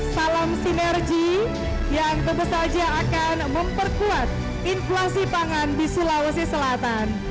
salam sinergi yang tentu saja akan memperkuat inflasi pangan di sulawesi selatan